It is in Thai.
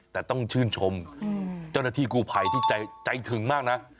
แต่ต้องชื่นชมเจ้าหน้าที่กู้ภัยที่ใจถึงมากนะ